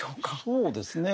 そうですね。